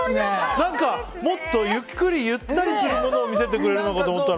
何か、もっとゆっくりゆったりするものを見せてくれるのかと思ったら。